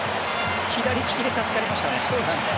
左利きで助かりましたね。